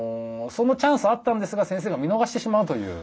そのチャンスあったんですが先生が見のがしてしまうという。